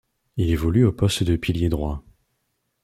Il évolue au poste de pilier droit.